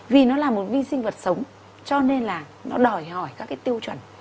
vì nó là một vi sinh vật sống cho nên là nó đòi hỏi các cái tiêu chuẩn